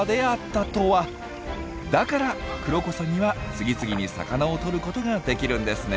だからクロコサギは次々に魚をとることができるんですね。